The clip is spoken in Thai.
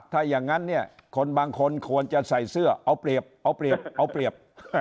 ถ้าอย่างนั้นเนี่ยคนบางคนควรจะใส่เสื้อเอาเปรียบเอาเปรียบเอาเปรียบ